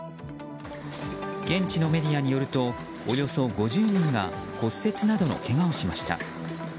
現地のメディアによるとおよそ５０人が骨折などのけがをしました。